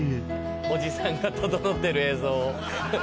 おじさんがととのってる映像。